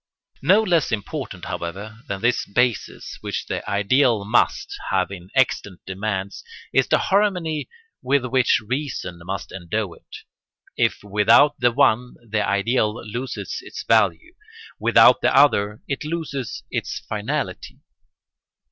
] No less important, however, than this basis which the ideal must have in extant demands, is the harmony with which reason must endow it. If without the one the ideal loses its value, without the other it loses its finality.